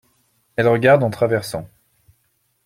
Elle regarde en traversant.